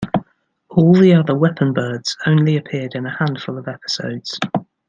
All the other "weapon-birds" only appeared in a handful of episodes.